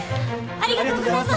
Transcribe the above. ありがとうございます！